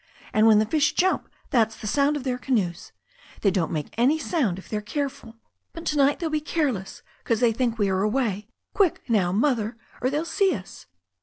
And when the fish jump that's the sound of their canoes. They don't make any sound if they're careful. THE STORY OF A NEW ZEALAND RIVER 133 but to night theyll be careless, 'cause they think we are away. Quick, now, Mother, or they'll see us."